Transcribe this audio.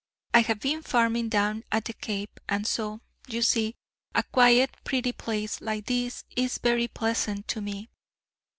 I have been farming down at the Cape, and so, you see, a quiet, pretty place like this is very pleasant to me."